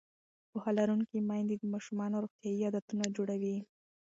پوهه لرونکې میندې د ماشومانو روغتیایي عادتونه جوړوي.